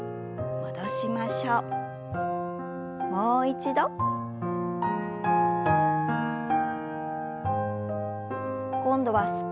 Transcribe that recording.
もう一度。